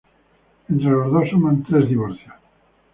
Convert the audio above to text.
Entre los dos suman tres divorcios.